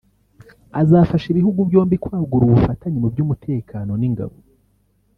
azafasha ibihugu byombi kwagura ubufatanye mu by’umutekano n’ingabo